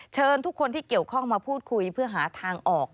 เชิญทุกคนที่เกี่ยวข้องมาพูดคุยเพื่อหาทางออก